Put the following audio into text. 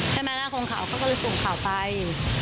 ใช่มั้ยอ่ะโครงข่าวกลุ่มผ่าไป